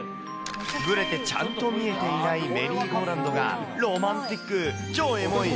ぶれてちゃんと見えていないメリーゴーラウンドがロマンティック、超エモい。